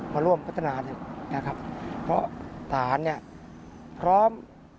มาร่วมพัฒนาเนี่ยนะครับเพราะทหารเนี่ยพร้อม